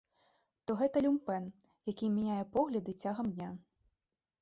То гэта люмпэн, які мяняе погляды цягам дня.